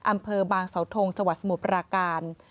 อำเภอบางสาวทงจังหวัดสมุทรปราการ